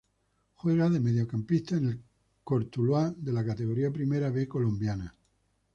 Juega de mediocampista en el Cortuluá de la Categoría Primera B colombiana.